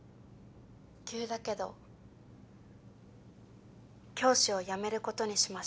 急だけど教師を辞めることにしました。